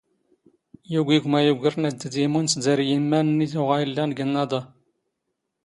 ⵢⵓⴳⵉ ⴳⵯⵎⴰ ⵢⵓⴳⵔⵜⵏ ⴰⴷ ⴷⵉⴷⵉ ⵉⵎⵓⵏ ⵙ ⴷⴰⵔ ⵢⵉⵎⵎⴰ ⵏⵏⵉ ⵜⵓⵖⴰ ⵉⵍⵍⴰⵏ ⴳ ⵏⵏⴰⴹⴰ.